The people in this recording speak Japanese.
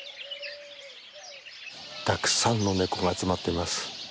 たくさんのネコが集まっています。